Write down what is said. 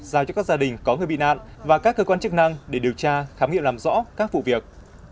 giao cho các gia đình có người bị nạn và các cơ quan chức năng để điều tra khám nghiệm làm rõ các vụ việc